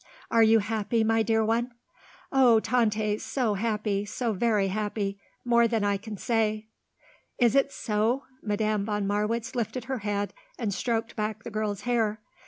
Are you happy, my dear one?" "Oh, Tante so happy, so very happy; more than I can say." "Is it so?" Madame von Marwitz lifted her head and stroked back the girl's hair.